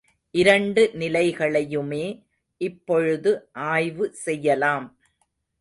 இரண்டு நிலைகளையுமே இப்பொழுது ஆய்வு செய்யலாம்.